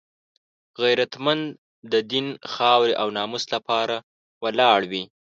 غیرتمند د دین، خاورې او ناموس لپاره ولاړ وي